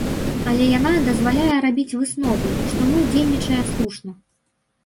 Але яна дазваляе рабіць высновы, што мы дзейнічае слушна.